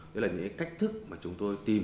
đấy là những cái cách thức mà chúng tôi tìm